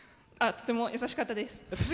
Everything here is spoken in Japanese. とても優しかったです。